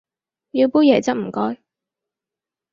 要杯椰汁唔該